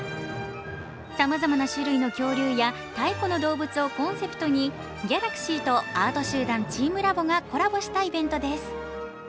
さまざまな種類の恐竜や太古の動物をコンセプトにＧａｌａｘｙとアート集団チームラボがコラボしたイベントです。